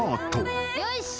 よし。